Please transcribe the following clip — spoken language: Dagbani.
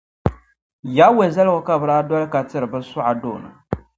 Yawɛ zaligu ka bɛ daa doli ka tiri bɛ suɣa doona.